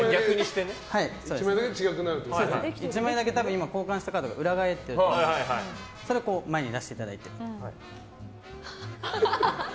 １枚だけ今交換したカードが裏返ってると思うんですけどそれを前に出していただいて。